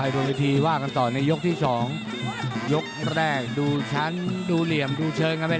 รถยกที่หนึ่ง